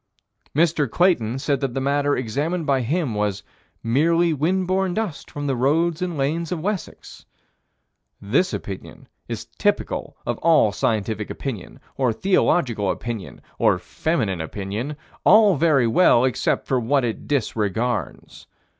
Mr. Clayton said that the matter examined by him was "merely wind borne dust from the roads and lanes of Wessex." This opinion is typical of all scientific opinion or theological opinion or feminine opinion all very well except for what it disregards.